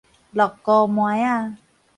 漉糊糜仔